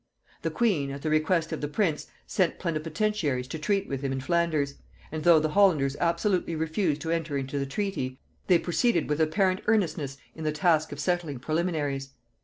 The queen, at the request of the prince, sent plenipotentiaries to treat with him in Flanders; and though the Hollanders absolutely refused to enter into the treaty, they proceeded with apparent earnestness in the task of settling preliminaries.